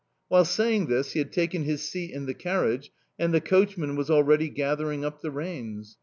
While saying this he had taken his seat in the carriage, and the coachman was already gathering up the reins.